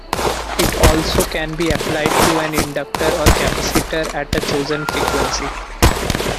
It also can be applied to an inductor or capacitor at a chosen frequency.